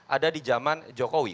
ada di zaman jokowi